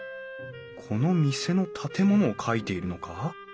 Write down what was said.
この店の建物を描いているのか？